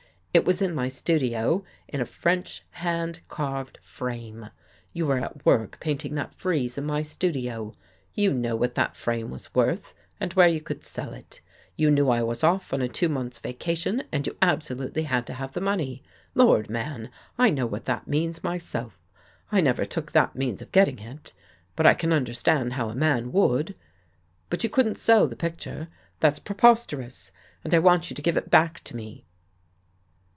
It was in my studio in a French, hand carved frame. You were at work painting that frieze in my studio. You know what that frame was worth and where you could sell it. You knew I was off on a two months' vacation and you absolutely had to have the money. Lord, man, I know what that means myself. I never took that means of getting it, but I can understand how a man would. But you couldn't sell the picture. That's preposterous! And I want you to give it back to me.